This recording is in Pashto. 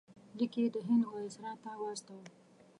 لیک یې د هند وایسرا ته واستاوه.